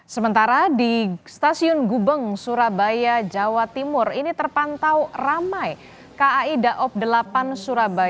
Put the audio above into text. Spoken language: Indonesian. sementara di stasiun gubeng surabaya jawa timur ini terpantau ramai kai daob delapan surabaya